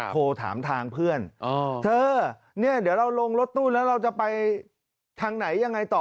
โทรถามทางเพื่อนเธอเนี่ยเดี๋ยวเราลงรถตู้แล้วเราจะไปทางไหนยังไงต่อ